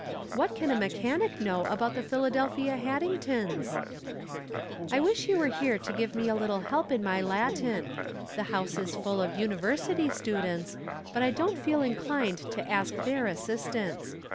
What can a mechanic know about the Philadelphia Had dingtons ? I wish you were here to give me a little help in my Latin. The house is full of Uniyersity stu dents, but I don't feel inclined to ask their as sistance.